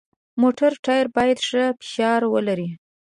د موټر ټایر باید ښه فشار ولري.